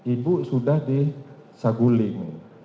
ibu sudah di saguling